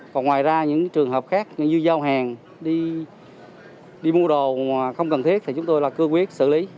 còn ngoài ra những trường hợp khác như giao hàng đi mua đồ mà không cần thiết thì chúng tôi là cương quyết xử lý